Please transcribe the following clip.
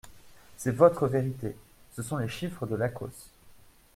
C’est votre vérité ! Ce sont les chiffres de l’ACOSS.